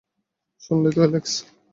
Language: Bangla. শুনলে তো, অ্যালেক্স।